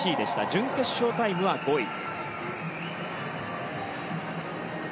準決勝タイムは５位。